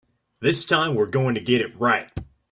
This time we're going to get it right.